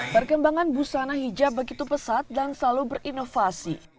perkembangan busana hijab begitu pesat dan selalu berinovasi